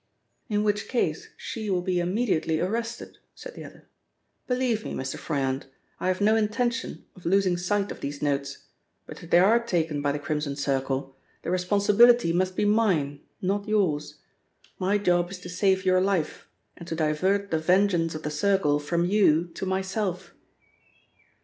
"In which case she will be immediately arrested," said the other. "Believe me, Mr. Froyant, I have no intention of losing sight of these notes, but if they are taken by the Crimson Circle, the responsibility must be mine not yours. My job is to save your life, and to divert the vengeance of the Circle from you to myself."